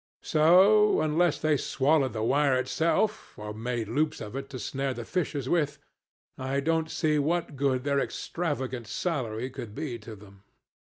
So, unless they swallowed the wire itself, or made loops of it to snare the fishes with, I don't see what good their extravagant salary could be to them.